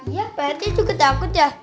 iya pak rt juga takut ya